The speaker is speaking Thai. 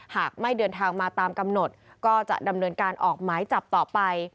หากไม่เดินทางมาตามกำหนดก็จะดำเนินการออกหมายจับต่อไป